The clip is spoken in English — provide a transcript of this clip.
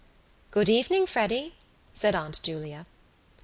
"Good evening, Freddy," said Aunt Julia.